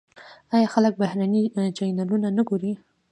آیا خلک بهرني چینلونه نه ګوري؟